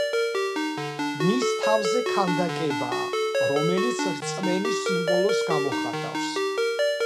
მის თავზე ქანდაკებაა, რომელიც რწმენის სიმბოლოს გამოხატავს.